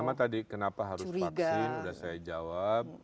pertama tadi kenapa harus vaksin sudah saya jawab